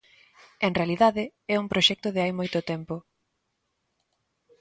En realidade é un proxecto de hai moito tempo.